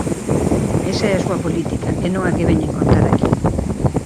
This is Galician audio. Esa é a súa política e non a que veñen contar aquí.